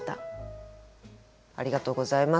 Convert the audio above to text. ありがとうございます。